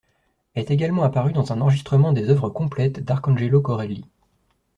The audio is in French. Est également apparu dans un enregistrement des œuvres complètes d'Arcangelo Corelli.